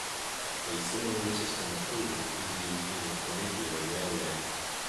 A similar system of cables is used in a funicular railway.